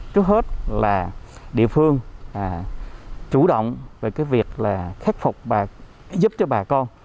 trước hết là địa phương chủ động về cái việc là khắc phục và giúp cho bà con